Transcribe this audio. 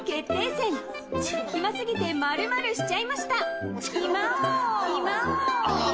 戦暇すぎて○○しちゃいました暇王。